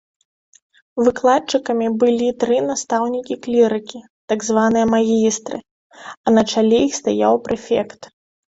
Выкладчыкамі былі тры настаўнікі-клірыкі, так званыя магістры, а на чале іх стаяў прэфект.